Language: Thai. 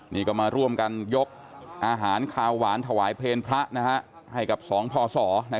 นี่ก็มาร่วมกันยกอาหารคาวหวานถวายเพลงพระให้กับสองพศ